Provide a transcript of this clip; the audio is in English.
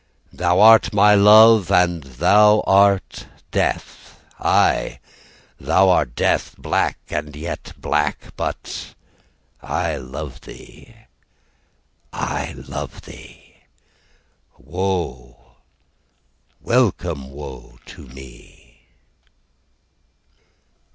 Thou art my love, And thou art death, Aye, thou art death Black and yet black, But I love thee, I love thee Woe, welcome woe, to me.